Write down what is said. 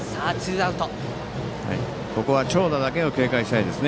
ここは長打だけは警戒したいです。